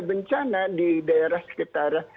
bencana di daerah sekitar